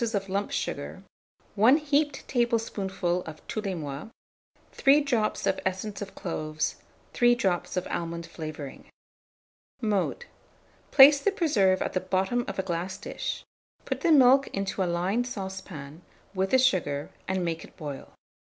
of lump sugar, 1 heaped tablespoonful of tous les mois, 3 drops of essence of cloves, 3 drops of almond flavouring. Mode. Place the preserve at the bottom of a glass dish; put the milk into a lined saucepan, with the sugar, and make it boil.